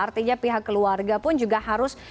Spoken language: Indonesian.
artinya pihak keluarga pun juga harus